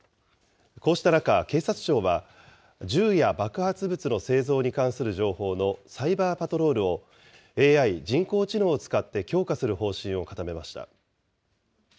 こうした中、警察庁は、銃や爆発物の製造に関する情報のサイバーパトロールを、ＡＩ・人工知能を使って強化する方針を固めました。